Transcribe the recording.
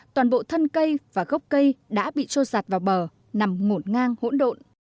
toàn bộ thân cây và gốc cây đã bị trô sạt vào bờ nằm ngổn ngang hỗn độn